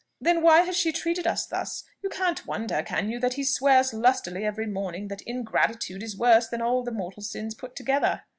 Then why has she treated us thus? You can't wonder, can you, that he swears lustily every morning that ingratitude is worse than all the mortal sins put together?"